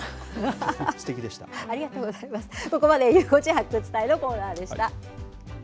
ここまでゆう５時発掘隊のコーナーでした。